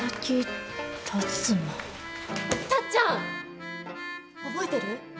タッちゃん！覚えてる？